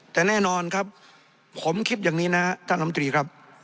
แต่แน่นอนครับผมคิดอย่างนี้นะท่านลำตรีครับ